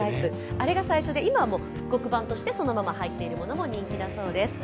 あれが最初で、今は復刻版としてそのまま入っているものも人気だそうです。